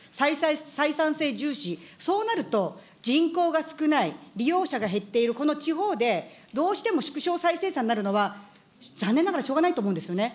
採算性重視、そうなると人口が少ない、利用者が減っている地方で、どうしても縮小再生産になるのは残念ながら、しょうがないと思うんですよね。